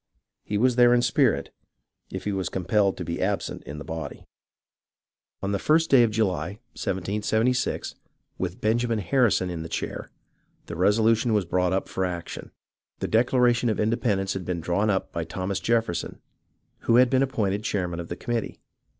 He was there in spirit, if he was compelled to be absent in the body. On the first day of July, 1776, with Benjamin Harrison in the chair, the resolution was brought up for action. The Declaration of Independence had been drawn up by Thomas Jefferson, who had been appointed chairman of the committee.